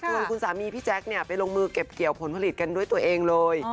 ส่วนคุณสามีพี่แจ๊คไปลงมือเก็บเกี่ยวผลผลิตกันด้วยตัวเองเลย